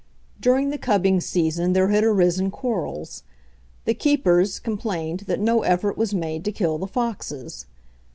During the cubbing season there had arisen quarrels. The keepers complained that no effort was made to kill the foxes.